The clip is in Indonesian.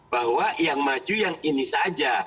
bahwa yang maju yang ini saja